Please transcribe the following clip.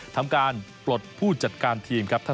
ทำการปลดผู้จัดการทีมครับ